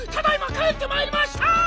かえってまいりました！